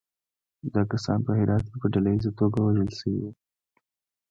دا کسان په هرات کې په ډلییزه توګه وژل شوي وو.